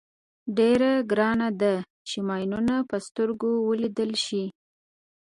ډېره ګرانه ده چې ماینونه په سترګو ولیدل شي.